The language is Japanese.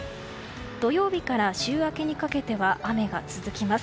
土曜日から週明けにかけては雨が続きます。